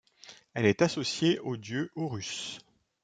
Elle est associée au dieu Horus.